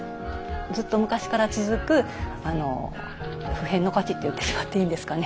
ずっと昔から続く不変の価値って言ってしまっていいんですかね。